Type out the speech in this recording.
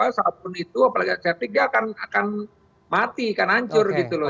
kalau kita pakai sabun itu apalagi seperti septic dia akan mati akan hancur gitu loh